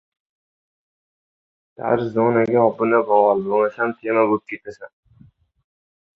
Darvoza tavaqalari orasidan koʼlini suqib zanjirni tushirdi.